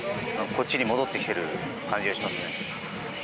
こっちに戻ってきている感じがしますね。